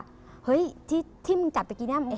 ที่จับเมื่อไหร่เห็นมั้ยว่ามีอาการยังไง